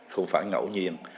không phải ngẫu nhiên